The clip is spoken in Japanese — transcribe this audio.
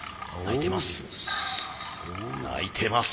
鳴いてます。